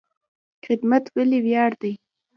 خدمت ولې ویاړ دی؟